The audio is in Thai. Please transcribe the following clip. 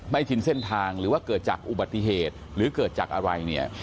ชินเส้นทางหรือว่าเกิดจากอุบัติเหตุหรือเกิดจากอะไรเนี่ย